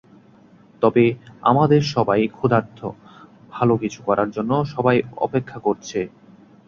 তবে আমাদের সবাই ক্ষুধার্ত, ভালো কিছু করার জন্য সবাই অপেক্ষা করছে।